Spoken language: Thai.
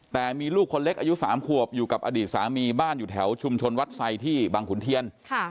แต่มีลูกคนเล็กอายุ๓ขวบอยู่กับอดีตสามีบ้านอยู่แถวชุมชนวัดไซที่บางขุนเทียน